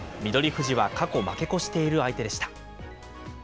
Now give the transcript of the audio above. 富士は過去、負け越している相手でした。